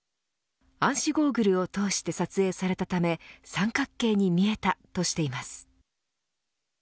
暗視ゴーグルを通して撮影されたため三角形に見えたとしています。